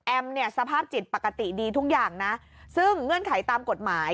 เนี่ยสภาพจิตปกติดีทุกอย่างนะซึ่งเงื่อนไขตามกฎหมาย